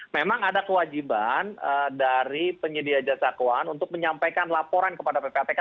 memang ada kewajiban dari penyedia jasa keuangan untuk menyampaikan laporan kepada ppatk